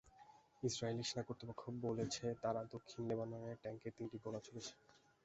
Israeli সেনা কর্তৃপক্ষ বলেছে, তারা দক্ষিণ লেবাননে ট্যাংকের তিনটি গোলা ছুড়েছে।